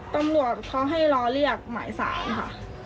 ตำรวจเขาให้รอเรียกหมายสารค่ะ